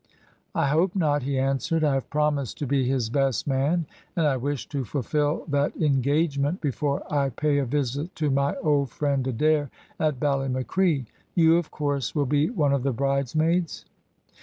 "I hope not," he answered, "I have promised to be his best man, and I wish to fulfil that engagement before I pay a visit to my old friend, Adair, at Ballymacree. You, of course, will be one of the bridesmaids?"